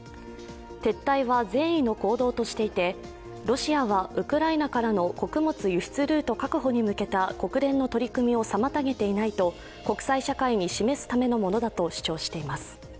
撤退は善意の行動としていてウクライナからの穀物輸出ルート確保に向けた国連の取り組みを妨げていないと国際社会に示すためのものだと主張しています。